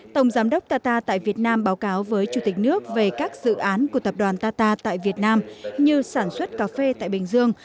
tổng giám đốc qatar tại việt nam báo cáo với chủ tịch nước về các dự án của tập đoàn tata tại việt nam như sản xuất cà phê tại bình dương